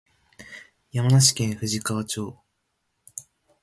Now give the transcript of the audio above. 山梨県富士川町